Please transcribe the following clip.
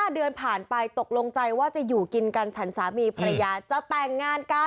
๕เดือนผ่านไปตกลงใจว่าจะอยู่กินกัน